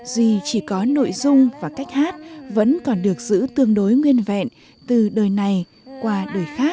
duy chỉ có nội dung và cách hát vẫn còn được giữ tương đối nguyên vẹn từ đời này qua đời khác